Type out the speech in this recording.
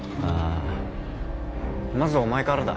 まずはお前からだ。